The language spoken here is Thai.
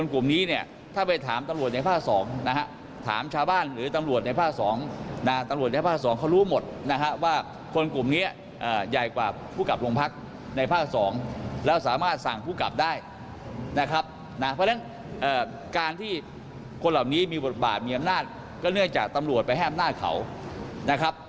คนเหล่านี้มีบทบาทมีอำนาจก็เนื่องจากตำรวจไปแห้มหน้าเขานะครับ